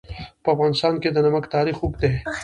په افغانستان کې د نمک تاریخ اوږد دی.